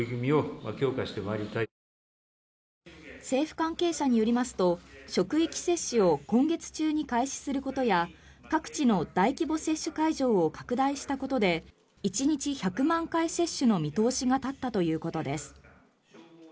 政府関係者によりますと職域接種を今月中に開始することや各地の大規模接種会場を拡大したことで１日１００万回接種の見通しが立ったということです。